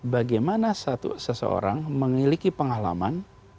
bagaimana seseorang mengiliki pengalaman